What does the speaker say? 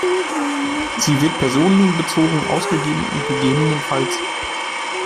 Sie wird personenbezogen ausgegeben und ggf.